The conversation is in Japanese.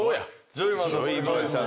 ジョイマンさん